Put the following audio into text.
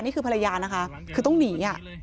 นี่คือภรรยานะคะคือต้องหนี